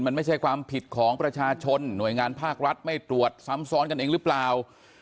มันไม่ใช่ความผิดของประชาชนหน่วยงานภาครัฐไม่ตรวจซ้ำซ้อนกันเองหรือเปล่า